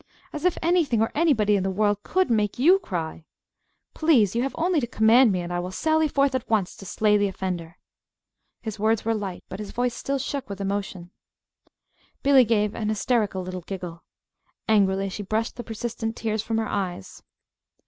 "As if anything or anybody in the world could make you cry! Please you have only to command me, and I will sally forth at once to slay the offender." His words were light, but his voice still shook with emotion. Billy gave an hysterical little giggle. Angrily she brushed the persistent tears from her eyes.